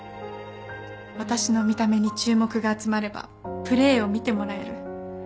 私の見た目に注目が集まればプレーを見てもらえる。